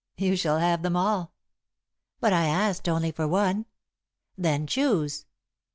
"You shall have them all." "But I asked only for one." "Then choose."